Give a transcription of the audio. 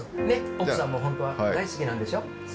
奥さんも本当は大好きなんでしょ？